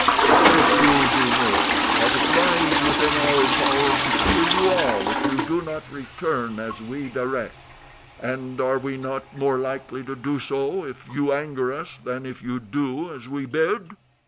But this you do know, that it lies within our power to kill you all if you do not return as we direct, and are we not more likely to do so if you anger us than if you do as we bid?"